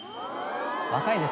若いですね。